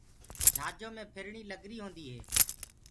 جھآجو مي ڦرڻيٚ لگريٚ هونٚدي هي